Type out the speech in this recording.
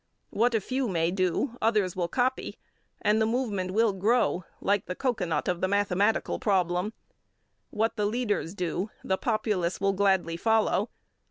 What a few may do, others will copy, and the movement will grow like the cocoanut of the mathematical problem. What the leaders do, the populace will gladly follow.